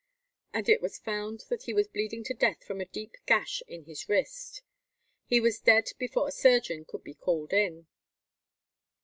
and it was found that he was bleeding to death from a deep gash in his wrist. He was dead before a surgeon could be called in.